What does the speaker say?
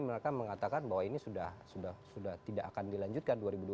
mereka mengatakan bahwa ini sudah tidak akan dilanjutkan